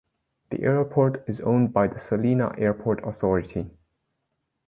The airport is owned by the Salina Airport Authority.